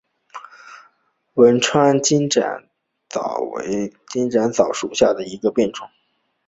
汶川金盏苣苔为苦苣苔科金盏苣苔属下的一个变种。